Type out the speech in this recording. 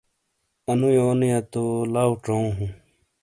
انو یونیا تو لاؤ ڇؤوں ہوں۔